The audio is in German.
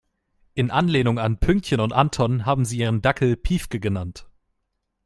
In Anlehnung an Pünktchen und Anton haben sie ihren Dackel Piefke genannt.